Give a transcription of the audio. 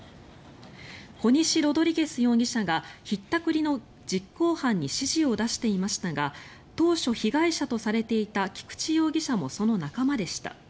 コニシロドリゲス容疑者がひったくりの実行犯に指示を出していましたが当初、被害者とされていた菊地容疑者もその仲間でした。